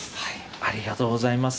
ありがとうございます。